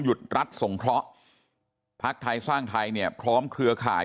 หยุดรัฐส่งเพราะภาคไทยสร้างไทยเนี่ยพร้อมเครือข่าย